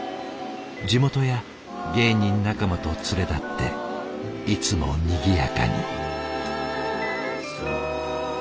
地元や芸人仲間と連れ立っていつもにぎやかに。